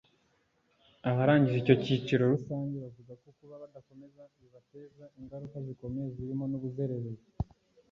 Abarangije icyo cyicyiro rusange bavuga ko kuba badakomeza bibateza ingaruka zikomeye zirimo n’ubuzererezi